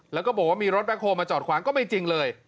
แล้วก็บอกว่ามีรถแคคโฮลมาจอดขวางก็ไม่จริงเลย